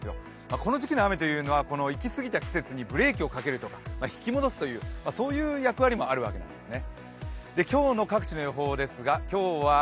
この時期の雨というのは行き過ぎた季節にブレーキをかけるとか引き戻すという役割もあるんですね。